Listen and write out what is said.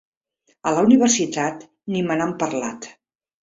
A la Universitat ni me n'han parlat.